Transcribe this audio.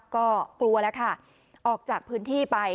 ก็กลัวแล้วค่ะออกจากพื้นที่ไป